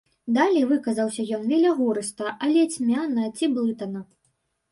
Далей выказаўся ён велягурыста, але цьмяна ці блытана.